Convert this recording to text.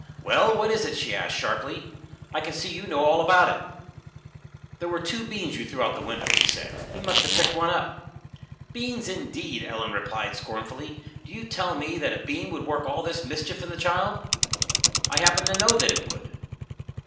"Well, what is it?" she asked sharply. "I can see you know all about it." "There were the two beans you threw out of the window," he said. "He must have picked up one." "Beans, indeed!" Ellen replied, scornfully. "Do you mean to tell me that a bean would work all this mischief in the child?" "I happen to know that it would."